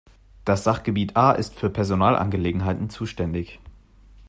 Das Sachgebiet A ist für Personalangelegenheiten zuständig.